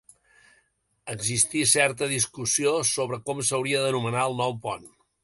Existí certa discussió sobre com s'hauria d'anomenar el nou pont.